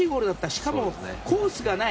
しかもコースがない